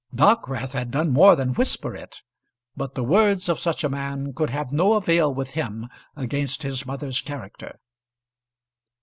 Dockwrath had done more than whisper it; but the words of such a man could have no avail with him against his mother's character.